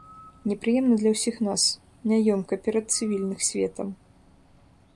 Непрыемна для ўсіх нас, няёмка перад цывільных светам.